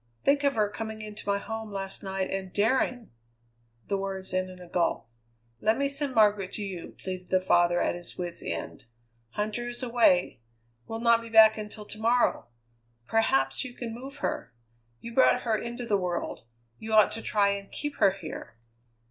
Think of her coming into my home last night and daring " The words ended in a gulp. "Let me send Margaret to you," pleaded the father at his wits' end. "Huntter is away. Will not be back until to morrow. Perhaps you can move her. You brought her into the world; you ought to try and keep her here."